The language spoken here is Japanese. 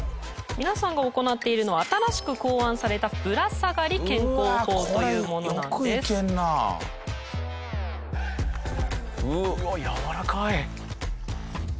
皆さんが行っているのは新しく考案されたぶら下がり健康法というものなんです。